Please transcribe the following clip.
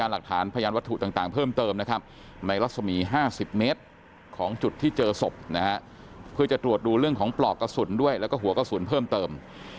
แล้วก็ผลกระสุนด้วยและหมดหัวกระสุนเพิ่มเติม